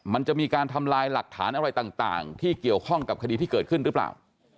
มันจะมีการทำลายหลักฐานอะไรต่างที่เกี่ยวข้องกับคดีที่เกิดขึ้นหรือเปล่า